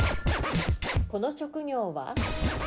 この職業は？